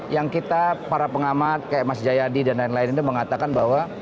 yang kita para pengamat kayak mas jayadi dan lain lain itu mengatakan bahwa